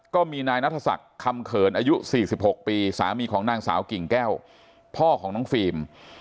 ก็มีนายนัทศักดิ์คำเขินอายุ๔๖ปีสามีของนางสาวกิ่งแก้วพ่อของน้องฟิล์ม